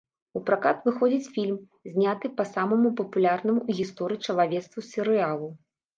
У пракат выходзіць фільм, зняты па самаму папулярнаму ў гісторыі чалавецтва серыялу.